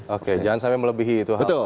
oke jangan sampai melebihi itu